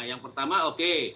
yang pertama oke